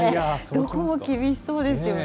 どこも厳しそうですよね。